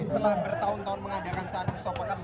telah bertahun tahun mengadakan saan kusopaka